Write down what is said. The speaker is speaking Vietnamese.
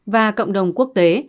và cộng đồng quốc tế